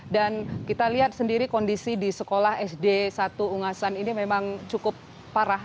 dan kita lihat sendiri kondisi di sekolah sd satu ungasan ini memang cukup parah